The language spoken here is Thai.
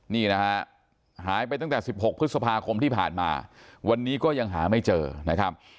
นี่นะฮะหายไปตั้งแต่๑๖พฤษภาคมที่ผ่านมาวันนี้ก็ยังหาไม่เจอนะครับ